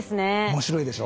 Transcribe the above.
面白いでしょう？